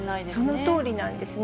そのとおりなんですね。